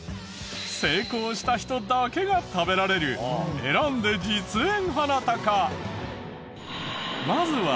成功した人だけが食べられる選んで実演ハナタカ。